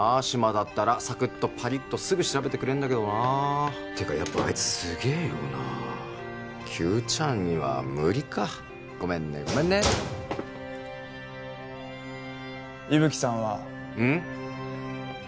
志摩だったらサクッとパリッとすぐ調べてくれるんだけどなあてかやっぱあいつすげえよなあ九ちゃんには無理かごめんねごめんね伊吹さんはうん？